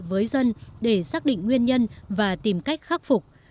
với dân để xác định nguyên nhân và tìm cách khắc phục